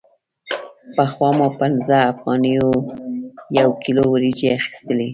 پخوا مو په پنځه افغانیو یو کیلو وریجې اخیستلې